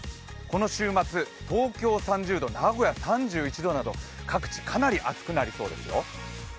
この週末、東京３０度、名古屋３１度など各地、かなり暑くなりそうですよ。